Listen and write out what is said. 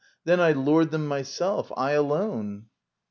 Then I lured them myself. I alone!